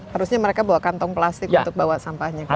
harusnya mereka bawa kantong plastik untuk bawa sampahnya